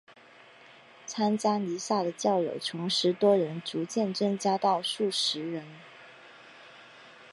参加弥撒的教友从十多人逐渐增加到数十人。